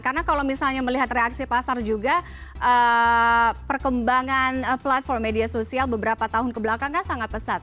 karena kalau misalnya melihat reaksi pasar juga perkembangan platform media sosial beberapa tahun kebelakang kan sangat pesat